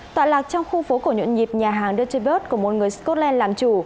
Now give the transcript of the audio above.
tọa lạc trong khu phố cổ nhuận nhịp nhà hàng dutcheburt của một người scotland làm chủ